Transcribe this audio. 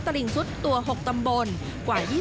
ลิงซุดตัว๖ตำบลกว่า